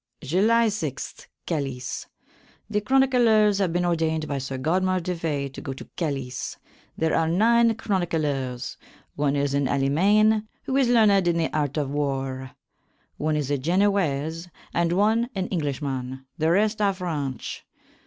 July 6, Calys. The chronyclers have been ordayned by Sir Godmar de Fay to go to Calys. There are nine chronyclers. One is an Alleymayne, who is learned in the art of warre, one is a Genowayes, and one an Englysshman, the rest are Frenche.